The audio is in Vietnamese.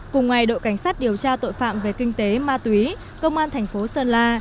cùng ngày đội cảnh sát điều tra tội phạm về kinh tế ma túy công an thành phố sơn la